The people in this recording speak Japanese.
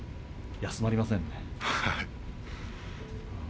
休まりませんね。